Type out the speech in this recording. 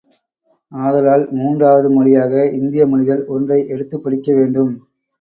ஆதலால் மூன்றாவது மொழியாக இந்திய மொழிகள் ஒன்றை எடுத்துப்படிக்க வேண்டும்.